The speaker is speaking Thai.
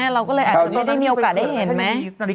เราก็เลยอาจจะไม่ได้มีโอกาสได้เห็นไหม